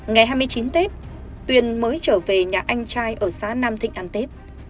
ngày hai mươi chín tết tuyền mới trở về nhà anh trai ở xã nam thịnh ăn tết